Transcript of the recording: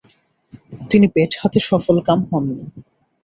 তিনি ব্যাট হাতে সফলকাম হননি।